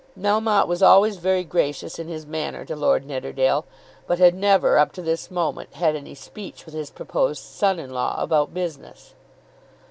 Melmotte was always very gracious in his manner to Lord Nidderdale, but had never, up to this moment, had any speech with his proposed son in law about business.